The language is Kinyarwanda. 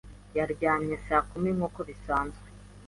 Yaryamye saa kumi nkuko bisanzwe.